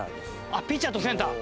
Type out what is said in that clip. ピッチャーとセンター。